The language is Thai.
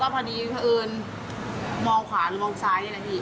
เราก็พอดีพระอื่นมองขวานมองซ้ายนี่แหละที